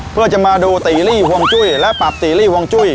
เพื่อจะมาดูตีรี่ห่วงจุ้ยและปรับตีรี่วงจุ้ย